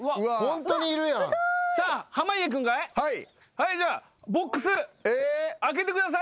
はいじゃあボックス開けてください。